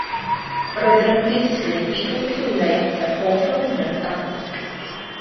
Roedd yr ymgeiswyr i gyd wedi llwyddo i ateb holl ofynion y dasg